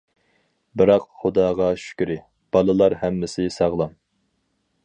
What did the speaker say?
« بىراق، خۇداغا شۈكرى، بالىلار ھەممىسى ساغلام».